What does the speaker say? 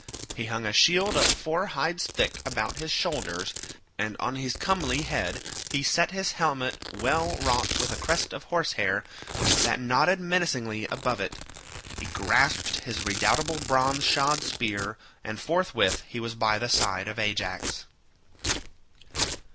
He hung a shield four hides thick about his shoulders, and on his comely head he set his helmet well wrought with a crest of horse hair that nodded menacingly above it; he grasped his redoubtable bronze shod spear, and forthwith he was by the side of Ajax.